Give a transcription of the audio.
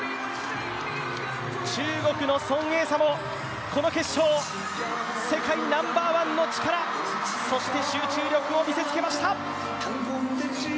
中国の孫エイ莎もこの決勝世界ナンバーワンの力そして集中力を見せつけました。